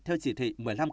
theo chỉ thị một mươi năm